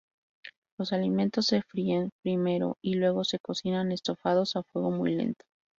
Los alimentos se fríen primero y luego se cocinan estofados a fuego muy lento.